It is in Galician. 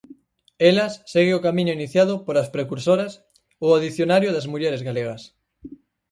Elas segue o camiño iniciado por As precursoras ou o Dicionario das mulleres galegas.